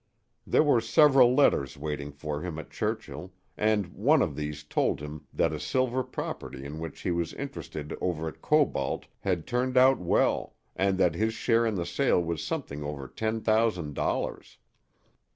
There were several letters waiting for him at Churchill, and one of these told him that a silver property in which he was interested over at Cobalt had turned out well and that his share in the sale was something over ten thousand dollars.